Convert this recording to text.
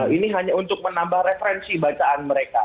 ini hanya untuk menambah referensi bacaan mereka